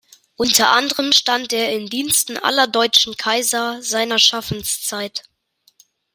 Unter anderem stand er in Diensten aller deutschen Kaiser seiner Schaffenszeit.